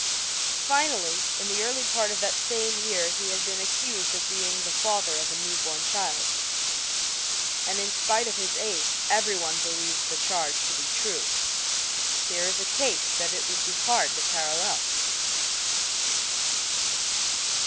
Finally, in the early part of that same year he had been accused of being the father of a new born child, and in spite of his age every one believed the charge to be true. Here is a case that it would be hard to parallel.